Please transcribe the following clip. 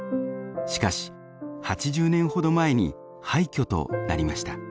しかし８０年ほど前に廃虚となりました。